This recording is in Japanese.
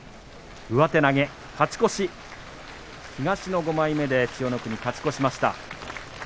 上手投げ、勝ち越し、東の５枚目で千代の国勝ち越しました。